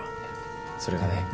それがね。